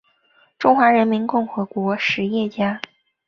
中华人民共和国实业家。